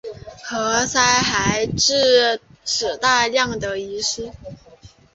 何塞还致使大量船只遗失。